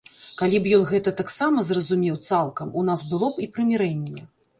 Калі б ён гэта таксама зразумеў цалкам, у нас было б і прымірэнне.